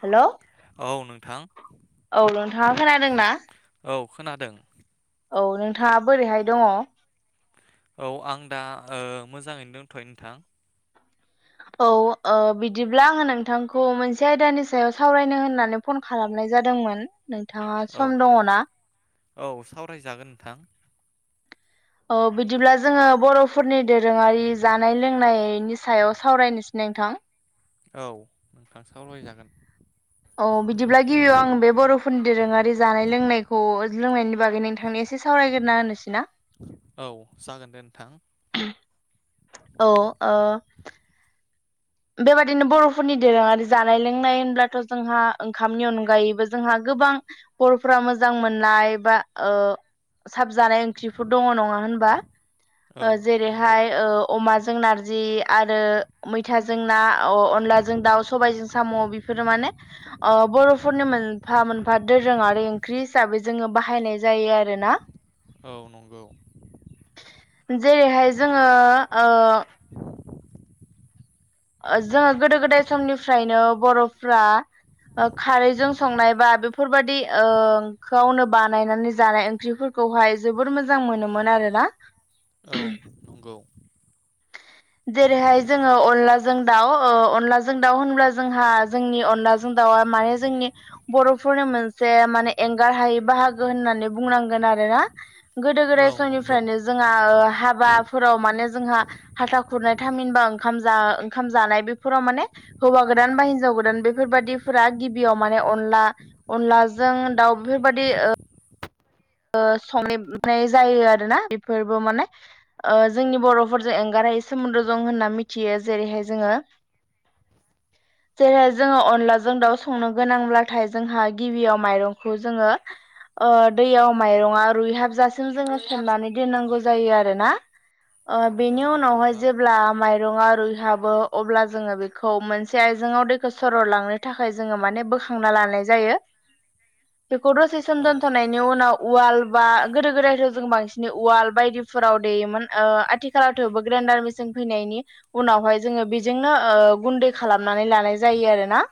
Hello औ नोंथां औ नोंथांङा खोनादोंना औ खोनादों औ नोंथांङा बोरैहाय दंङो औ आं दा ओ मोजांङैनो दंथयो नोंथां औ बिदिब्ला आंङो नोंथांखौ मोनसे आयदानि सायाव सावरायनो होननानै फन खालामनाय जादोंमोन नोंथाङा औ सम दङो ना औ सावरायजागोन नोंथां बिदिब्ला जोंङो बर'फोरनि दोरोंङारि जानाय लोंनायनि सायाव सावरायनो नोंथां औ नोंथां सावराय जागोन औ बिदिब्ला गिबियाव आं बे बर'फोरनि दोरोंङारि जानाय लोंनायखौ लोंनायनि बागै नोंथांनि एसे सावरायग्रोना होनोसै ना औ जागोन दे नोंथां औ ओ बेबायदिनो बर'फोरनि दोरोंङारि जानाय लोंनाय होनब्लाथ' जोंहा ओंखामनि अनगायैबो जोंहा गोबां बर'फोरा मोजां मोननाय बा साब जानाय ओंख्रिफोर दंङो नङा होनबा औ नंगौ जेरैहाय अमा नारजि आरो मै मैथाजों ना अनलाजों दाउ सबायजों साम' बेफोरो माने बर'फोरनि मोनफा - मोनफा दोरोङारि ओंख्रि हिसाबै जोंङो बाहायनाय जायो आरोना औ नंगौ जेरैहाय जोंङो ओ [inaudible] जोंङो गोदो गोदाय समनिफ्रायनो बर'फ्रा खारैजों संनाय बा बेफोरबायदिखौनो ओ बानायनानै जानाय ओंख्रिफोरखौ खौहाय जोबोद मोजां मोनोमोन आरोना औ नंगौ जों दाउ अनलाजों दाउ होनब्ला जोंहा जोंनि अनलाजों दाउआ माने जोंनि बर' फोरनो मोनसे माने एंगार हायै बाहागो होननानै बुंनांगोन आरो ना गोदो औ गोदाय नंगौ समनिफ्रायनो जोंहा हाबाफोराव माने जोंहा हाथा खुरनाय थामहिनबा ओंखाम ओंखाम जानाय बेफोराव माने हौवा गोदान बा हिनजाव गोदान बेफोरबायदि दिफोरा गिबियाव माने अनला अनलाजों दाउ बेफोरबादि संनाय जायो आरोना बेफोरबो माने ओ औ जोंनि नंगौ बर'फोरजों एंगारायै सोमोन्दो दं होनना मिथियो जेरैहाय जोङो [inaudible] जेरैहाय जोङो अनलाजों दाउ संनो गोनांब्लाथाय जोंहा गिबियाव माइरंखौ जोङो ओ दैयाव माइरङा रुइहाबजासिम जोङो सोमनानै दोननांगौ जायो आरोना ओ औ बेनि नंगौ उनावहाय नोंथां जेब्ला माइरङा रुय हाबो अब्ला जोङो बेखौ मोनसे आइजेङाव दैखौ सररलांनो थाखाय जोङो माने बोखांना लानाय यो बेखौ दसे सोम औ दोनथ'नायनि उनाव उवाल बा गोदो गोदायथ जों बांसिन उवाल बायदिफोराव देयोमोन आथिखालावथ ग्रेन्डार मेसिन फैनायनि उनावहाय जोङो बेजोंनो ओ गुन्दै खालामनानै लानाय जायो आरोना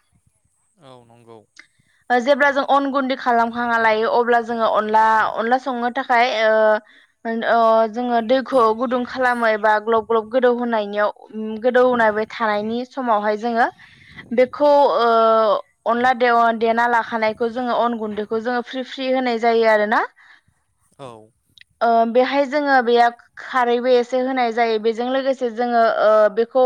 औ नंगौ जेब्ला जों अन गुन्दै खालामखाना लायो अब्ला जोङो अनला संनो थाखाय ओ जोङो दैखौ गुदुं खालामो एबा ग्लब ग्लब गोदौ होनायनियाव गोदौबाय थानायनि समावहाय जोङो बेखौ ओ अनला देना लाखानायखौ जोङो अन गुन्दैखौ जोङो फ्रि फ्रि होनाय जायो आरोना औ ओ बेहाय जोङो बेयो खारैबो एसे होनाय जायो बेजों लोगोसे जोङो ओ बेखौ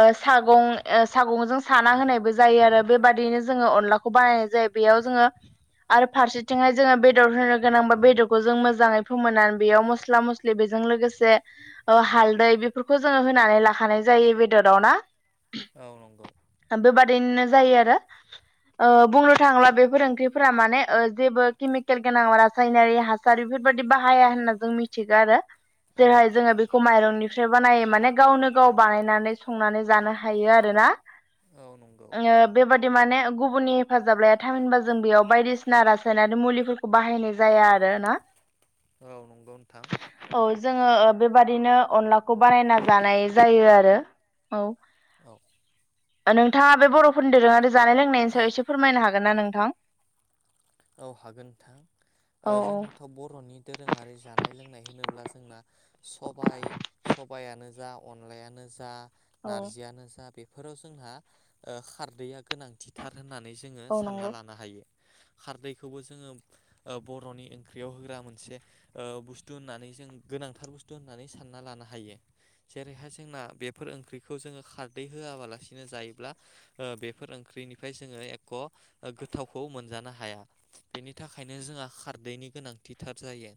ओ सागं सागंजों साना होनाय जायो आरो बे बादिनो जोङो अनलाखौ बानायनाय जायो बेयाव जोङो आरो फारसेथिंहाय जोङो बेदर होनो गोनांबा बेदरखौ जों मोजाङै फोमोनानै बेयाव मस्ला मस्लि बेजों लोगोसे हालदै बेफोरखौ जोङो होनानै लाखानाय जायो बेदराव ना औ नंगौ दिनो जायो आरो ओ बुंनो थाङोब्ला बेफोर ओंख्रिफोरा माने ओ जेबो केमिकेल गोनां रासायनारि हासार बेफोरबायदि बाहाया होनना जों मिथिगौ आरो औ जेरैहाय जोङो बेखौ माइरं निफ्राय बानायो माने गावनो गाव बानायनानै संनानै जानो हायो आरोना नंगौ ओ बेबादिनो माने गुबुननि हेफाजाब लाया थामहिनबा जों बेयाव बायदिसिना रासायनारि मुलिफोरखौ बाहायनाय जाया आरो ना औ नंगौ नोथां जोङो बेबादिनो अनलाखौ बानायना जानाय जायो आरो औ औ नोंथाङा बे बर'फोर दोरोङारि जानाय लोंनायनि सायाव एसे फोरमायनो हागोन ना नोंथां औ हागोन औ नोंथां औ जोंनाथ' बर'नि दोरोङारि जानाय जानाय लोंनाय होनोब्ला जोंना सबाइयानो जा अनलायानो जा औ नारजियानो जा बेफोराव जोंहा खारदैया गोनांथिथार होननानै जोङो औ नंगौ सानना लानो हायो खारदैखौबो जोङो बर'नि ओंख्रियाव होग्रा मोनसे बुस्थु होननानै जों गोनांथार बुस्थु होननानै सानना लानो हायो जेरैहाय जोंना बेफोर ओंख्रिखौ जोङो खारदै होआबालासिनो जायोब्ला बेफोर ओंख्रि ओंख्रिनिफ्राय जोङो एख' गोथावखौ मोनजानो हा हाया बेनि थाखायनो जोंहा खारदैनि गोनांथिथार जायो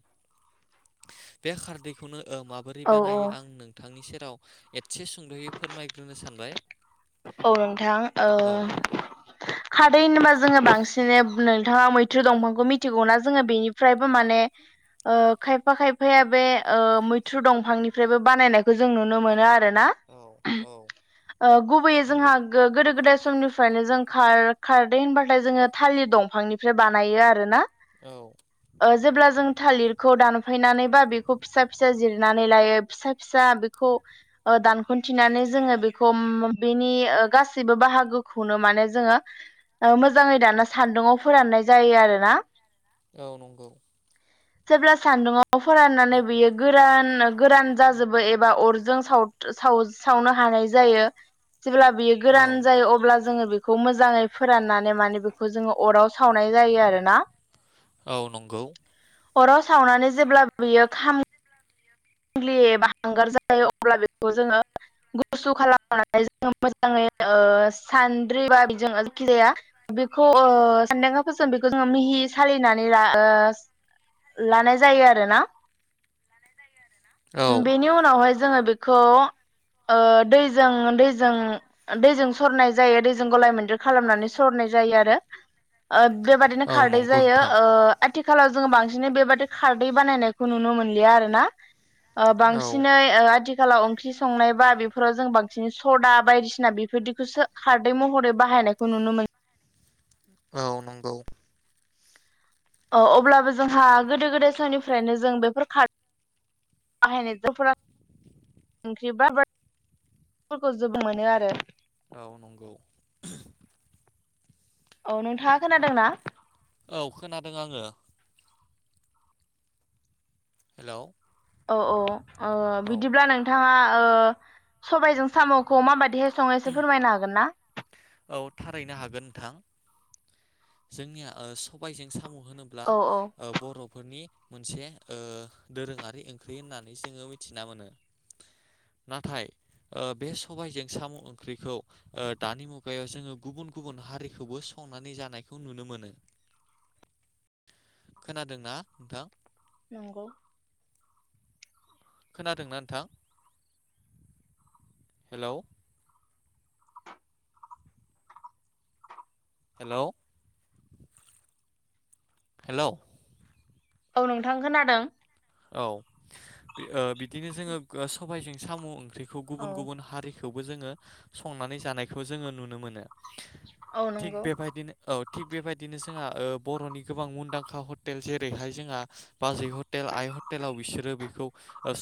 बे खारदैखौनो ओ माबोरै औ औ बानायो आं नोंथांनि सेराव एसे सुंद'यै फोरमायग्रोनो सानबाय औ नोंथां ओ औ खारदै होनबा जोंङो बांसिन नोंथांङा मैथ्रु दंफांखौ मिथिगौना जोंहा बेनिफ्रायबो माने ओ खायफा खायफाया ओ बे ओ मैथ्रु दंफांनिफ्रायबो बानायनायखौ जों नुनो मोनो आरो ना औ औ गुबैयै नंगौ जोंहा गोदो समनिफ्रायनो जों खारदै होनबाथाय जोंङो थाालिर दंफांनिफ्राय बानायो आरोना औ जेब्ला जों थालिरखौ दानफायनानैबा बेखौ फिसा - फिसा जिरनानै लायो फिसा- फिसा बे दानख'थिनानै जोंङो बेखौ बेनि गाससिबो बाहागोखौनो माने जोंङो मोजांङै दाना सान्दुङाव फोराननाय जायो आरो ना औ नंगौ जेब्ला सान्दुङाव फोराननानै औ बियो गोरान गोरान जाजोबो एबा अरजों सावनो हानाय जायो जेब्ला बियो गोरान जायो अब्ला जोंङो बेखौ बेखौ मोजांङै फोराननानै माने बेखौ जोंङो अराव सावनाय जायो आरोना औ नंगौ अराव सावनानै जेब्ला बियो खाम लि एबा हांगार जायो अब्ला बेखौ जोंङो गुसु खालामनानै मोजांङै ओ सानद्रिबा बिजों जायखि जाया बेखौ सानदांगा फोरजों बेखौ मिहि सालिनानै लानाय जायो आरोना औ बेनि उनावहाय जोंङो बेखौ ओ दैजों दै दैजों सरनाय जायो दैजों गलाय मोनदेर खालामनानै सरनाय बेबायदिनो औ खारदै नंगौ नोंथां आथिखालाव जोंङो बांसिनै बेबादि खारदै बानायनायखौ नुनो मोनलिया आरोना औ बांसिनै आथिखा आथिखालाव ओंख्रि संनाय बा बेफोराव जों बांसिन सदा बायदिसिना बेफोरदिखौसो खारदै महरै बाहाय नायखौ नुनो मोन औ नंगौ अब्लाबो जोंहा गोदो गोदाय समनिफ्रायनो जों बेफोर खार [unintelligible] [unintelligible] ओंख्रि [unintelligible] [unintelligible] जोबो मोनो आरो औ नंगौ औ नोंथांङा खोनादोंना औ खोनादों आंङो हेलौ औ औ ओ औ बिदिब्ला नोंथांङा ओ सबायजों साम'खौ माबादि हाय संनाय एसे फोरमायनो हागोन ना औ थारैनो हागोन नोंथां जोंनिया ओ सबायजों साम' होनोब्ला औ औ ओ बर'फोरनि मोनसे ओ दोरोंङारि ओंख्रि होननानै जोंङो मिथिना मोनो नाथाय ओ बे सबायजों साम' ओंख्रिखौ ओ दानि मुगायाव जोंङो गुबुन गुबुन हारिखौबो संनानै जानायखौ नुनो मोनो खोनादोंना नोंथां नंगौ खोनादोंना नोंथां हेलौ हेलौ हेलौ औ नोंथां खोनादों औ बिदिनो ओ जोंङो सबायजों साम' ओंख्रिखौ औ गुबुन गुबुन हारि खौवबो जोंङो संनानै जानायखौ जोंङो नुनो मोनो औ थिग नंगौ बेबायदिनो औ थिग बेबायदिनो जों बर'नि गोबां मुंदांखा हटेल जेरैहाय जोंहा बाजै हटेल आइ ह टेलाव बिसोरो बेखौ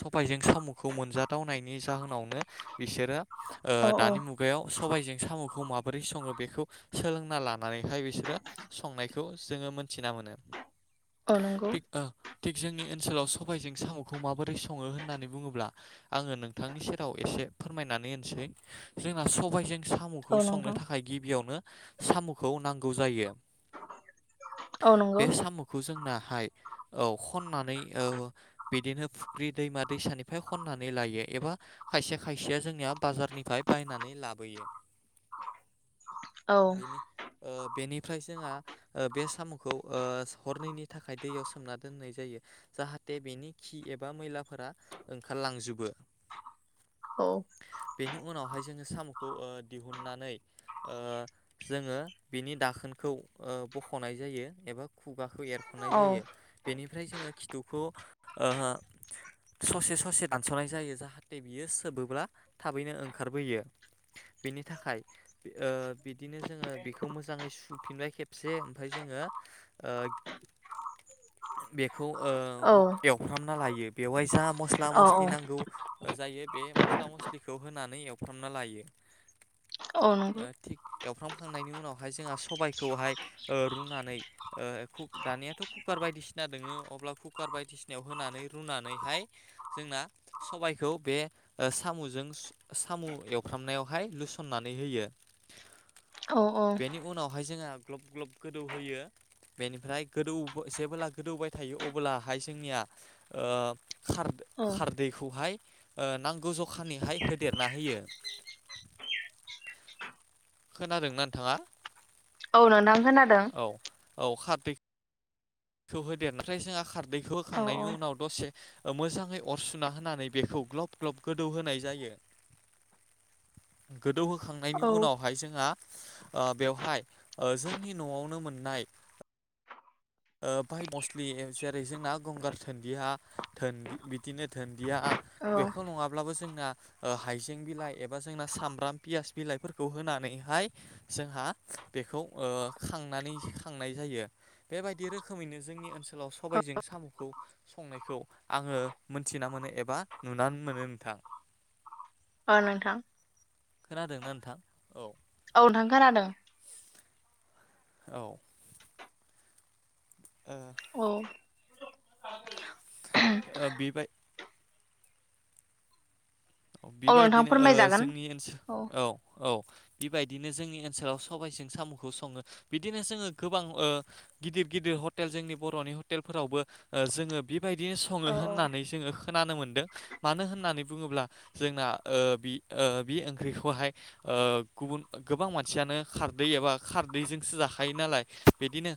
सबायजों साम'खौ मोनजाथावनायनि जाहोनावनो बिसोरो ओ औ औ दानि मुगायाव सबाइजों साम' खौ माबोरै सङो बेखौ सोलोंना लानानैहाय बिसोरो संनायखौ जोङो मोनथिना मोनो औ नंगौ थिग ओ थिग जोंनि ओनसोलाव स बायजों साम'खौ माबोरै सङो होननानै बुङोब्ला आङो नोंथांनि सेराव एसे फोरमायनानै होनोसै जोंना सबायजों साम'खौ औ संनो नोंथां थाखाय गिबियावनो साम'खौ नांगौ जायो औ बे नंगौ साम'खौ जोंनाहाय औ खननानै ओ बिदिनो फुख्रि दैमा दैसानिफ्राय खननानै लायो एबा खायसे खायसेया जोंनिया बाजारनिफ्राय बायनानै लाबोयो औ बेनि बेनिफ्राय ओमफ्राय जोंहा बे साम'खौ हरनैनि थाखाय दैयाव सोमना दोननाय जायो जाहा थे बेनि खि एबा मैलाफोरा ओंखारलांजोबो औ बेनि उनावहाय जोङो साम'खौ ओ दिहुननानै ओ जोङो बिनि दाखोनखौ ओ बख'नाय जायो एबा खुु गाखौ एरख'नाय औ जायो बेनिफ्राय जोङो खिथुखौ ओ ससे ससे दानस'नाय जायो जाहाथे बियो सोबोब्ला थाबैनो ओंखारबोयो बेनि थाखाय ओ बिदिनो जोङो बेखौ मोजाङै सुफिनबाय खेबसे ओमफ्राय जोङो ओ बेखौ ओ औ एवफ्रामना लायो बेवहाय जा मस्ला औ मस्लि नांगौ जायो बे मस्ला मस्लिखौ होनानै एव फ्रामना लायो औ ओ नंगौ थिग एवफ्रामखांनायनि उनावहाय जोंहा सबायखौहाय ओ रुनानै ओ खुुग दानियाथ' कुकार बायदिसिना दङो अब्ला कुकार बायदिसिनायाव होनानै रुनानैहाय जोंना सबायखौ बे सामुजों स साम' एवफ्रामनायावहाय लुसननानै होयो औ औ बेनि उनावहाय जोङो ग्लब ग्लब गोदौहोयो बेनिफ्राय गोदौ जेबोला गोदौबाय थायो अब्ला अब्लाहाय जोंनिया ओ खार औ खारदैखौहाय ओ नांगौ जखानिहाय होदेरना होयो खोनादोंना नोंथाङा? औ नोंथां खोनादों औ खौ होदेर ओमफ्राय जोंहा खारदैखौ औ होखांनायनि उनाव दसे ओ मोजाङै अर सुना होनानै बेखौ ग्लब ग्लब गोदौ होनाय जायो गोदौहोखांनायनि औ उनावहाय जोंहा ओ बेवहाय ओ जोंनि न'आवनो मोननाय ओ बाय मस्लि जेरै जोंना गंगार थोनदिया धोन बिदिनो धोनन्दिया औ बेखौ नङाब्लाबो जोंना ओ हाइजें बिलाइ एबा जोंना सामब्राम पियास बिलाइफोरखौ होना नानैहाय जोंहा बेखौ ओ खांनानै खांनाय जायो बेबायदि रोखोमैनो जोंनि ओनसोलाव औ सबाइजों साम'खौ संनायखौ आङो मोनथिना मोनो एबा नुनानै मोनो नोंथां औ नोंथां खोनादोंना नोंथां औ औ नोंथां खोनादों औ औ ओ बे बाय औ नोंथां बेबायदिनो ओ फोरमायजागोन जोंनि ओनसो औ औ बायदिनो जोंनि ओनसोलाव सबायजों साम'खौ सङो बिदिनो जोङो गोबां ओ गिदिर गिदिर ह टेल जोंनि बर'नि हटेलफोरावबो ओ जोङो बि बायदिनो सङो औ औ होननानै जोङो खोनानो मोन्दों मानो होननानै बुङोब्ला जोंना ओ बि ओ बिओंख्रिखौहाय गुबुन गोबां मानसियानो खार दै एबा खारदैजोंसो जाखायो नालाय बिदिनो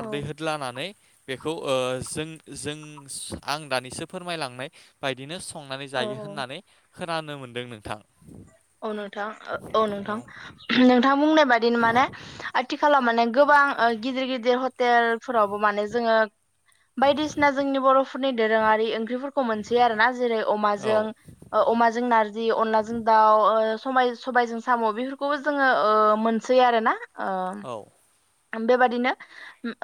औ होदलानानै बेखौ ओ जों जों आं दानिसो फोरमायलांनाय बायदिनो संनानै औ जायो औ होननानै खोनानो मोन्दों नोंथां औ नोंथां औ नोंथां नोंथां बुंनाय बादिनो माने आथिखालाव माने गोबां ओ गिदिर गिदिर हटेलफोरावबो माने जोङो बायदिसिना जोंनि बर'फोरनि दोरोङारि ओंख्रिफोरखौ मोनसै आरो ना जेरै औ अमाजों ओ अमा जों नारजि अनलाजों दा ओ समा सबाइजों साम' बेफोरखौबो जोङो ओ मोनसै आरो ना ओ औ बेबादिनो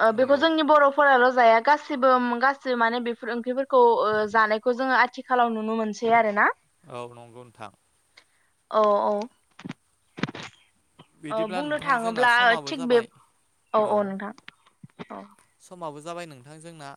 ओ बेखौ नंगौ जोंनि बर'फोराल' जाया गासैबो गासिबो माने बेफोर ओंख्रिफोरखौ ओ जानायखौ जोङो आथिखालाव नुनो मोनसै आरो ना औ नंगौ नोंथां औ औ औ बिदिब्ला बुंनो नोंथां जोंना थाङोब्ला समाबो थिग बे जाबाय औ औ नोंथां औ समाबो जाबाय नोंथां जोंना